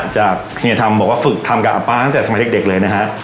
เฮียทำบอกว่าฝึกทำกับอาป๊าตั้งแต่สมัยเด็กเลยนะฮะ